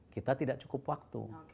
kita tidak cukup waktu